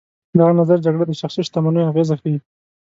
دغه نظر جګړه د شخصي شتمنیو اغېزه ښيي.